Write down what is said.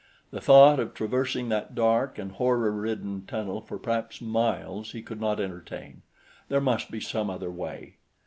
The thought of traversing that dark and horror ridden tunnel for perhaps miles he could not entertain there must be some other way.